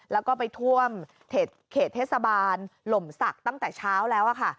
แล้วก็ไปท่วมเขตเทศบาลหล่มศักดิ์ตั้งแต่เช้าแล้วค่ะ